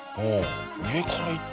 上からいった？